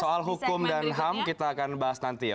soal hukum dan ham kita akan bahas nanti ya